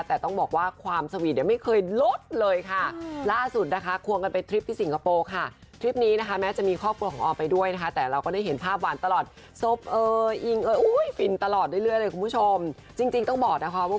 แต่ต้องบอกว่าความสวีทเนี่ยไม่เคยลดเลยค่ะ